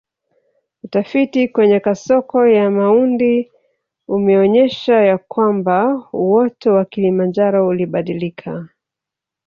Utafiti kwenye kasoko ya Maundi umeonyesha ya kwamba uoto wa Kilimanjaro ulibadilika